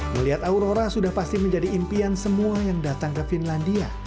melihat aurora sudah pasti menjadi impian semua yang datang ke finlandia